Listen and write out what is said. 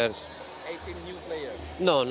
berapa banyak pemain